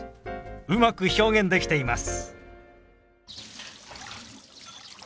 うまく表現できています。